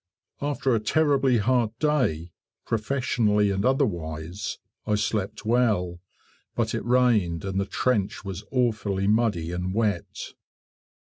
After a terribly hard day, professionally and otherwise, I slept well, but it rained and the trench was awfully muddy and wet.